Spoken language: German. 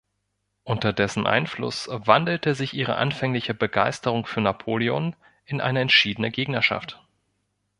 Unter dessen Einfluss wandelte sich ihre anfängliche Begeisterung für Napoleon in eine entschiedene Gegnerschaft.